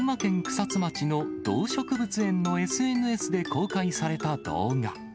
草津町の動植物園のＳＮＳで公開された動画。